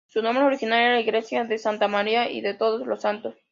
Su nombre original era Iglesia de Santa María y de Todos los Santos.